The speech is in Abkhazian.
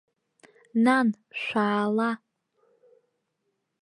Нан, шәаала.